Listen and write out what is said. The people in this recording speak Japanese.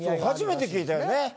初めて聞いたよね。